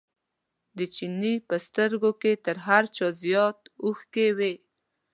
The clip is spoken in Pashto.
د چیني په سترګو کې تر هر چا زیات اوښکې وې.